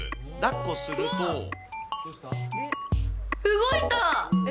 動いた！